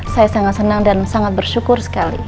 saya sangat senang dan sangat bersyukur sekali